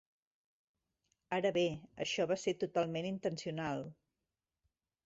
Ara bé, això va ser totalment intencional.